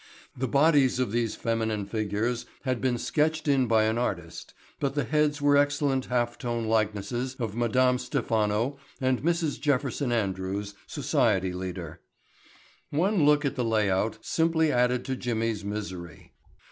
The bodies of these feminine figures had been sketched in by an artist, but the heads were excellent half tone likenesses of Madame Stephano and Mrs. Jefferson Andrews, society leader. One look at the lay out simply added to Jimmy's misery.